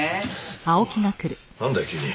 おおなんだよ急に。